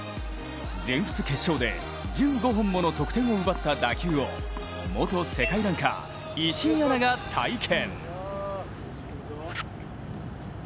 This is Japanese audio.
全仏決勝で１５本もの得点を奪った打球を元世界ランカー石井アナが体験。